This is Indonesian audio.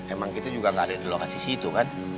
emang kita juga nggak ada di lokasi situ kan